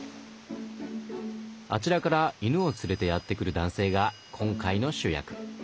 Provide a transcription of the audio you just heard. あちらから犬を連れてやって来る男性が今回の主役。